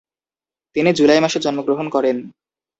তিনি জুলাই মাসে জন্মগ্রহণ করেন।